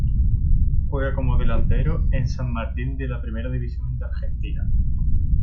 Juega como delantero en San Martín de la Primera División de Argentina.